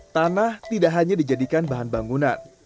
tanah tidak hanya dijadikan bahan bangunan